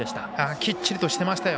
きっちりとしてましたよ。